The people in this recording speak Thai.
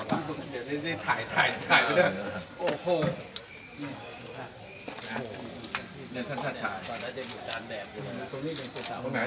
นี่ท่านท่าชาย